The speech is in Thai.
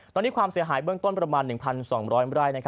ตอนนี้ความเสียหายเบื้องต้นประมาณ๑๒๐๐ไร่